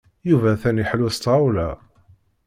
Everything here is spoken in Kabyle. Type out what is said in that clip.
Yuba atan iḥellu s tɣawla.